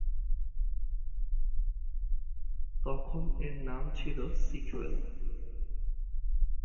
তখন এর নাম ছিল সিকুয়েল।